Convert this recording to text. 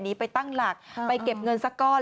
ไปตั้งหลักไปเก็บเงินสักก้อน